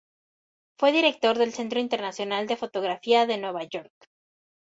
Fue director del Centro Internacional de Fotografía de Nueva York.